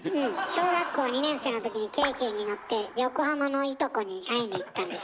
小学校２年生のときに京急に乗って横浜のいとこに会いに行ったんでしょ？